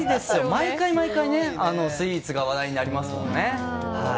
毎回、毎回スイーツが話題になりますもんね。